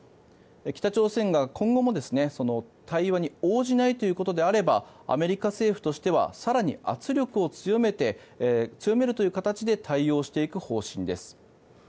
北朝鮮が今後も、対話に応じないということであればアメリカ政府としては更に圧力を強めるという形で対応していく方針です。